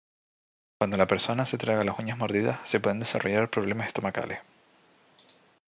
Cuando la persona se traga las uñas mordidas, se pueden desarrollar problemas estomacales.